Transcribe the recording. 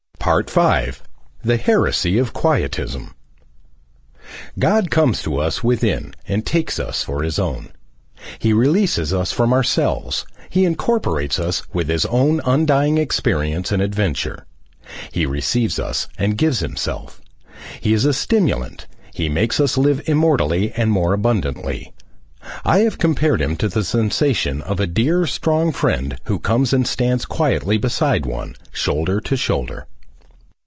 5. THE HERESY OF QUIETISM God comes to us within and takes us for his own. He releases us from ourselves; he incorporates us with his own undying experience and adventure; he receives us and gives himself. He is a stimulant; he makes us live immortally and more abundantly. I have compared him to the sensation of a dear, strong friend who comes and stands quietly beside one, shoulder to shoulder.